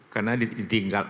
karena di tinggi